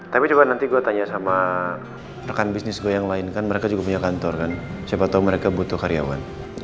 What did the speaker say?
tapi coba nanti gue tanya sama rekan bisnis gue yang lain kan mereka juga punya kantor kan siapa tau mereka butuh karyawan